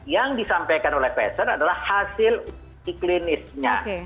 yang disampaikan oleh pfizer adalah hasil iklinisnya